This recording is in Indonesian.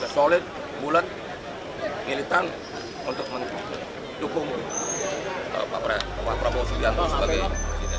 solid bulet militan untuk mendukung prabowo subianto sebagai presiden